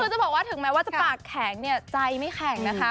คือจะบอกว่าถึงแม้ว่าจะปากแข็งเนี่ยใจไม่แข็งนะคะ